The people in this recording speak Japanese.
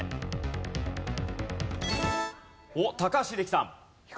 おっ高橋英樹さん。